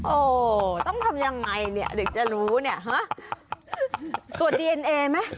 โอ้โหต้องทำยังไงเนี่ยเดี๋ยวจะรู้เนี่ยฮะตรวจดีเอ็นเอไหม